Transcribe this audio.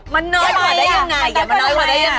มันน้อยกว่าได้ยังไง